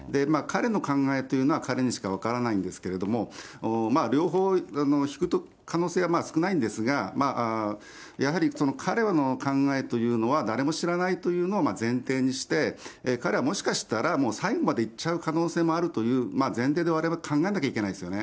彼の考えというのは、彼にしか分からないんですけれども、両方引く可能性は少ないんですが、やはりその彼の考えというのは、誰も知らないというのを前提にして、彼はもしかしたら、最後までいっちゃう可能性もあるという前提でわれわれは考えない